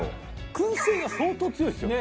燻製が相当強いですよね。